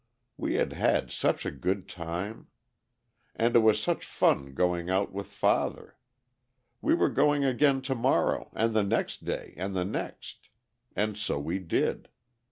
We had had such a good time. And it was such fun going out with father. We were going again to morrow and the next day and the next. And so we did.